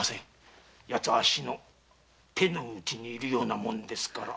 ヤツはアッシの手の内にいるようなもんですから。